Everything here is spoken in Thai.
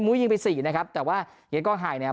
ยิงไปสี่นะครับแต่ว่าเฮียกล้องหายเนี่ย